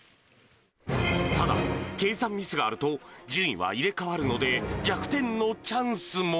ただ計算ミスがあると、順位は入れ代わるので、逆転のチャンスも。